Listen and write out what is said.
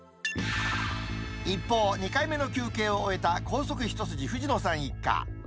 一方、２回目の休憩を終えた高速一筋藤野さん一家。